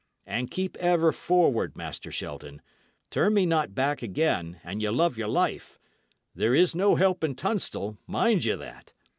And keep ever forward, Master Shelton; turn me not back again, an ye love your life; there is no help in Tunstall, mind ye that.